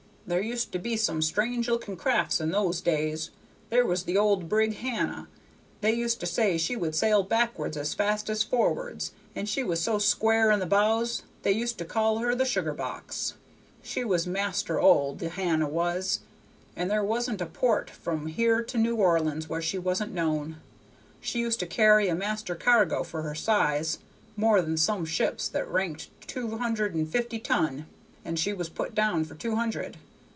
"There used to be some strange looking crafts in those days; there was the old brig Hannah. They used to say she would sail backwards as fast as forwards, and she was so square in the bows, they used to call her the sugar box. She was master old, the Hannah was, and there wasn't a port from here to New Orleans where she wasn't known; she used to carry a master cargo for her size, more than some ships that ranked two hundred and fifty ton, and she was put down for two hundred.